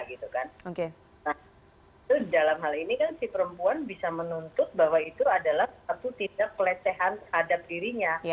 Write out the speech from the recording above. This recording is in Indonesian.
nah itu dalam hal ini kan si perempuan bisa menuntut bahwa itu adalah satu tidak pelecehan terhadap dirinya